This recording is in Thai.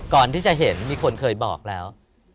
ก่อนที่จะเห็นมีคนเคยบอกแล้ว